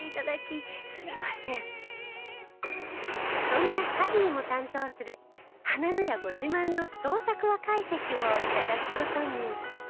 そんなハギーも担当するはなのやご自慢の創作和懐石を頂く事に。